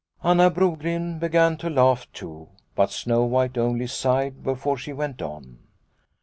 Anna Brogren began to laugh too, but Snow White only sighed before she went on.